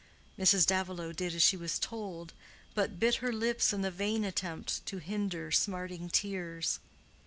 Mrs. Davilow did as she was told, but bit her lips in the vain attempt to hinder smarting tears.